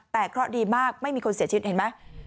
แต่เคราะห์ดีมากไม่มีคนเสียชีวิตเห็นไหม